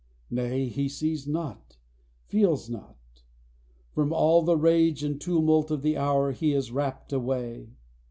Nay, he sees not, feels not: from all the rage and tumult of the hour he is rapt away.